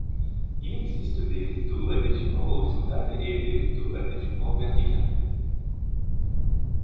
Il existe des rideaux à défilement horizontal et des rideaux à défilement vertical.